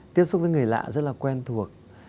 tiếp xúc với người lạ rất là quen thuộc